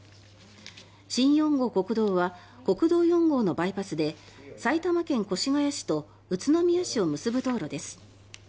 新４号国道は国道４号のバイパスで埼玉県越谷市と宇都宮市を結ぶ道路です。